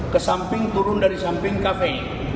kesamping turun dari samping kafe